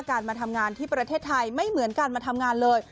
มาทำงานที่ประเทศไทยไม่เหมือนกันมาทำงานเลย